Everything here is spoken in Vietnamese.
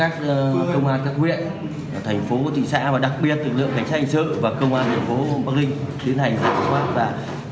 chúng tôi đã tiến hành các hệ vụ phân công cám bộ chiến sĩ các công an các huyện thành phố tỉnh xã và đặc biệt tỉnh lượng cảnh sát hành sức và công an huyện phố bắc ninh tiến hành